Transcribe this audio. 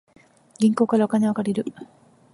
銀行からお金を借りる